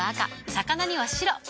魚には白。